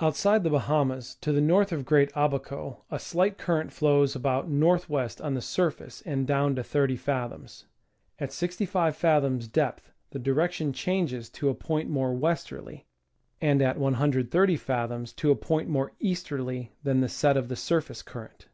Outside the Bahamas, to the north of Great Abaco, a slight cur rent flows about N. W. on the surface and down to 30 fathoms ; at 65 fathoms depth the direction changes to a point more west erly, and at 130 fathoms to a point more easterly than the set of the surface current.